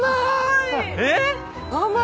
えっ？